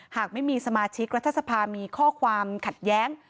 หากไม่มีสมาชิกรัฐสภามีข้อความขัดแย้ง